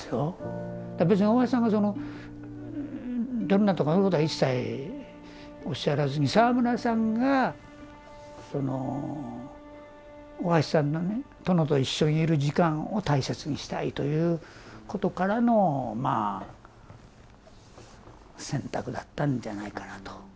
別に大橋さんがダメだとかそういうことは一切おっしゃらずに沢村さんがその大橋さんのね殿と一緒にいる時間を大切にしたいということからのまぁ選択だったんじゃないかなと。